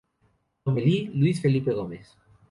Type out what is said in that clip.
Lomelí, Luis Felipe Gómez.